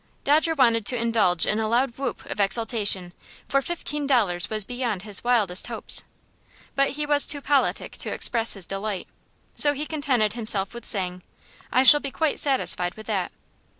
Dodger wanted to indulge in a loud whoop of exultation, for fifteen dollars was beyond his wildest hopes; but he was too politic to express his delight. So he contented himself with saying: "I shall be quite satisfied with that."